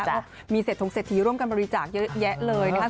ก็มีเศรษฐงเศรษฐีร่วมกันบริจาคเยอะแยะเลยนะคะ